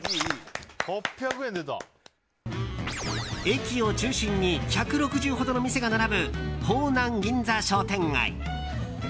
駅を中心に１６０ほどの店が並ぶ方南銀座商店街。